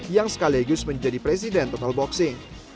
yang sekaligus menjadi presiden total boxing